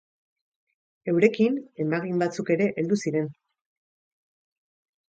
Eurekin emagin batzuk ere heldu ziren.